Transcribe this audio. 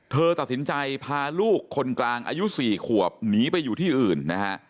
เธอตัดสินใจพาลูกคนกลางอายุ๔ขวบหนีไปอยู่ที่อื่นนะฮะ